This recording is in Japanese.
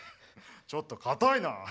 ちょっとかたいな。